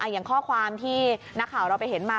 อย่างข้อความที่นักข่าวเราไปเห็นมา